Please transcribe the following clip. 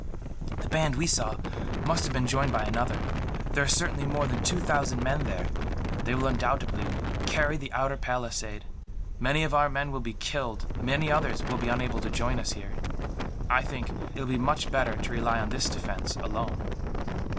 "The band we saw must have been joined by another. There are certainly more than two thousand men there. They will undoubtedly carry the outer palisade. Many of our men will be killed, and many others will be unable to join us here. I think that it will be much better to rely on this defence, alone."